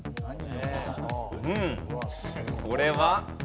うんこれは。